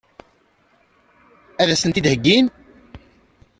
Ad as-ten-id-heggin?